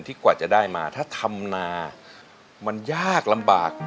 กว่าจะได้มาถ้าทำนามันยากลำบาก